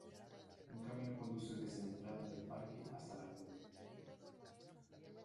Un camino conduce desde la entrada del parque hasta la cumbre.